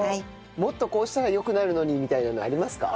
もっとこうしたら良くなるのにみたいなのありますか？